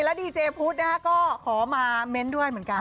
แล้วดีเจพุทธนะฮะก็ขอมาเม้นต์ด้วยเหมือนกัน